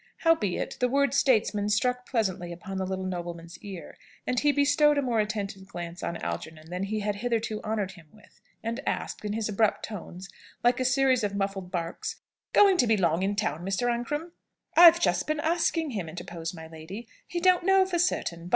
Howbeit, the word "statesman" struck pleasantly upon the little nobleman's ear, and he bestowed a more attentive glance on Algernon than he had hitherto honoured him with, and asked, in his abrupt tones, like a series of muffled barks, "Going to be long in town, Mr. Ancram?" "I've just been asking him," interposed my lady. "He don't know for certain.